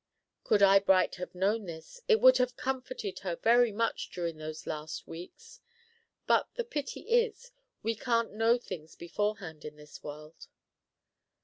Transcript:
Could Eyebright have known this, it would have comforted her very much during those last weeks; but the pity is, we can't know things beforehand in this world.